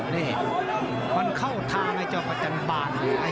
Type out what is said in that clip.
นี่มันเข้าทางไอ้เจ้าประจันบาล